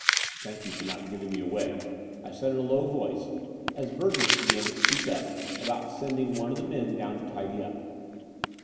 ''Thank you for not giving me away," I said in a low voice, as Burgess began to speak about send ing one of his men down to tidy up.